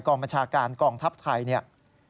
กองประชาการกองทัพไทย